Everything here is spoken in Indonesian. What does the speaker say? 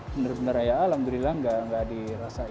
bener bener ya alhamdulillah gak dirasain sih